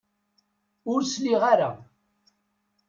Ur sliɣ ara.